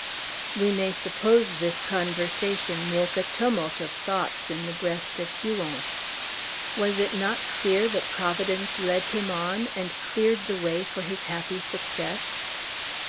We may suppose this conversation woke a tumult of thoughts in the breast of Huon. Was it not clear that Providence led him on, and cleared the way for his happy success?